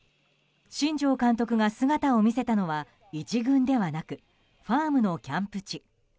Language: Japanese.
新庄監督が姿を見せたのは１軍ではなくファームのキャンプ地。